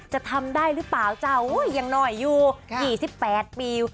จะทำได้หรือเปล่าจ้ายังหน่อยอยู่๒๘ปี